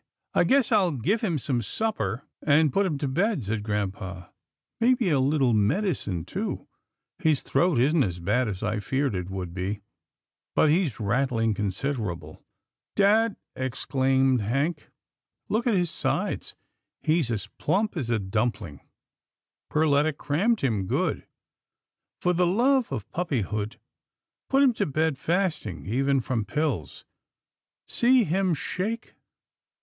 " I guess I'll give him some supper, and put him to bed," said grampa, " maybe a little medicine too. His throat isn't as bad as I feared it would be, but he's rattling considerable." " Dad," exclaimed Hank, " look at his sides. He's as plump as a dumpling. Perletta crammed him good. For the love of puppyhood, put him to bed fasting, even from pills — See him shake.